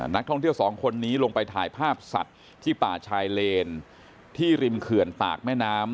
นักท่องเที่ยวสองคนนี้ลงไปถ่ายภาพสัตว์ที่ป่าชายเลนที่ริมเขื่อนปากแม่น้ำ